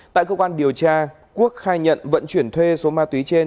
tại cơ quan điều tra quốc khai nhận vận chuyển thuê số ma túy trên